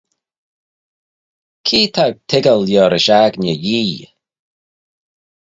Cre t'ou toiggal liorish aigney Yee?